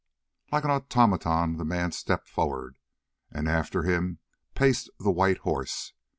Like an automaton the man stepped forward, and after him paced the white horse.